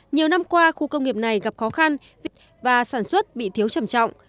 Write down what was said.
nhiều năm qua khu công nghiệp này gặp khó khăn và sản xuất bị thiếu trầm trọng